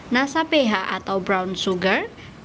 nasa ph atau brown sugar